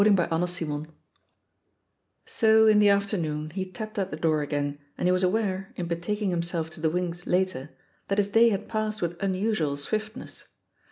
f t \ CHAPTER VIII So in the afternoon he tapped at the door again, and he was aware, in betaking himself to the wings later, that his day had passed with un usual swiftness.